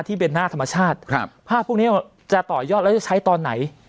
ที่เป็นหน้าธรรมชาติภาพพวกนี้จะต่อยอดแล้วจะใช้ตอนไหน